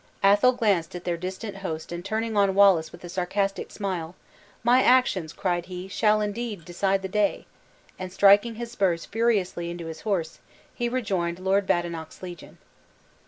Athol glanced at their distant host and turning on Wallace with a sarcastic smile, "My actions," cried he, "shall indeed decide the day!" and striking his spurs furiously into his horse, he rejoined Lord Badenoch's legion.